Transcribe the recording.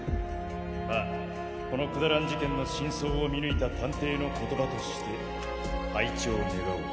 まあこのくだらん事件の真相を見抜いた探偵の言葉として拝聴願おうか。